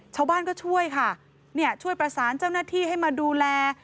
ชาวบ้านก็ช่วยค่ะเนี่ยช่วยประสานเจ้าหน้าที่ให้มาดูแล